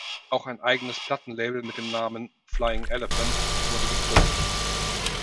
Auch ein eigenes Plattenlabel mit dem Namen "Flying Elephant" wurde gegründet.